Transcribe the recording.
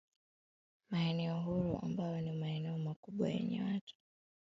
Maeneo huru ambayo ni maeneo makubwa yenye watu